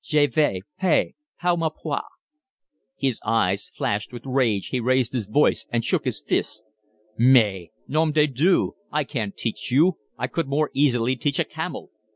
"Je vous paye pour m'apprendre." His eyes flashed with rage, he raised his voice and shook his fist. "Mais, nom de Dieu, I can't teach you. I could more easily teach a camel."